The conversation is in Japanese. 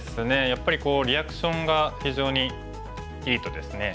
やっぱりリアクションが非常にいいとですね